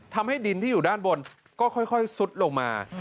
ทำให้ดินที่อยู่ด้านบนก็ค่อยซุดลงมา